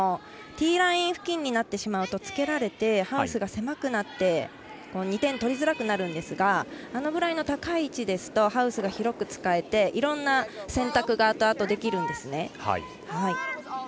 ティーライン付近になってしまうとつけられてハウスが狭くなって２点取りづらくなるんですがあのぐらいの高い位置ですとハウスが広く使えて、いろんな選択があとあと、できるんですね。